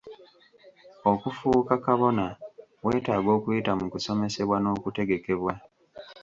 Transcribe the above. Okufuuka kabona weetaaga okuyita mu kusomesebwa n'okutegekebwa.